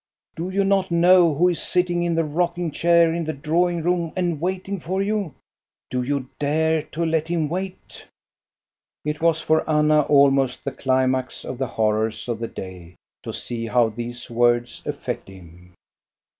Do you not know who is sitting in the rocking chair in the drawing room and waiting for you t Do you dare to let him wait >" It was for Anna almost the climax of the horrors of the day to see how these words affect him.